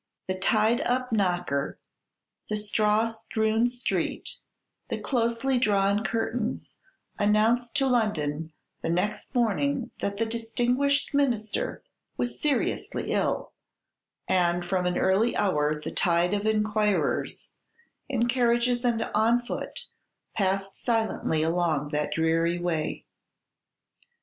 The tied up knocker, the straw strewn street, the closely drawn curtains announced to London the next morning that the distinguished minister was seriously ill; and from an early hour the tide of inquirers, in carriages and on foot, passed silently along that dreary way.